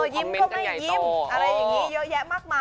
ยิ้มก็ไม่ยิ้มอะไรอย่างนี้เยอะแยะมากมาย